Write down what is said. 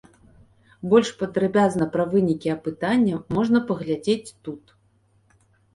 Больш падрабязна пра вынікі апытання можна паглядзець тут.